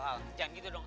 al al jangan gitu dong